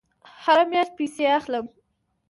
هره میاشت پیسې اخلم